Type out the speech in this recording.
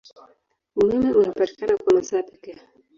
Umeme unapatikana kwa masaa pekee.